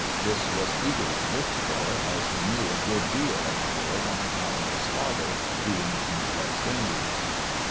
This was eagerly looked for, as he knew a good deal of the world on account of his father's being in the West Indies.